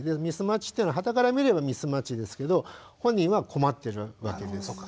ミスマッチっていうのははたから見ればミスマッチですけど本人は困ってるわけです。